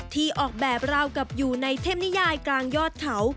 ที่ออกแบบราวกับอยู่ในเทพนิยายกลางยอดเขา